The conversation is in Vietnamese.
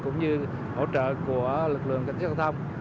cũng như hỗ trợ của lực lượng kinh tế giao thông